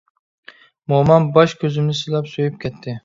مومام باش كۆزۈمنى سىلاپ، سۆيۈپ كەتتى.